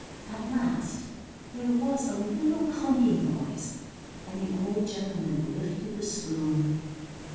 At last there was a little clinking noise, and the old gentleman lifted the spoon.